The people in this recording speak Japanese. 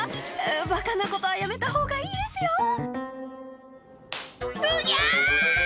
バカなことはやめた方がいいですようぎゃ！